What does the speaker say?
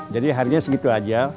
jadi harganya segitu aja